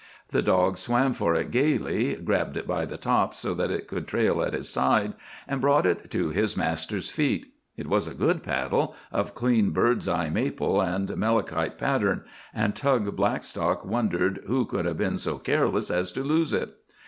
The dog swam for it gaily, grabbed it by the top so that it could trail at his side, and brought it to his master's feet. It was a good paddle, of clean bird's eye maple and Melicite pattern, and Tug Blackstock wondered who could have been so careless as to lose it.